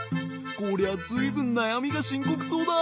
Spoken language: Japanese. こりゃずいぶんなやみがしんこくそうだ。